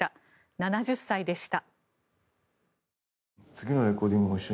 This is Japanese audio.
７０歳でした。